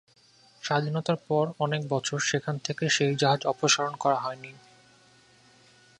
স্বাধীনতার পর অনেক বছর সেখান থেকে সেই জাহাজ অপসারণ করা হয়নি।